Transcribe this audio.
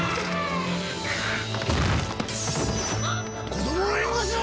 子供を援護しろ！